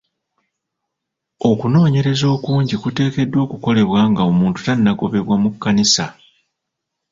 Okunoonyereza okungi kuteekeddwa okukolebwa nga omuntu tannagobebwa mu kkanisa.